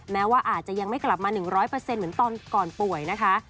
แม้ว่าอาจจะยังไม่กลับมา๑๐๐เหมือนตอนก่อนป่วยนะคะ